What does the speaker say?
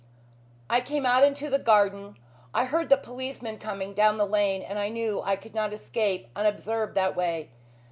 "I came out into the garden. I heard the policeman coming down the lane, and knew I could not escape unobserved that way.